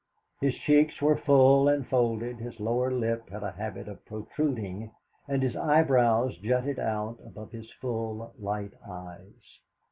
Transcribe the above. His cheeks were full and folded, his lower lip had a habit of protruding, and his eyebrows jutted out above his full, light eyes.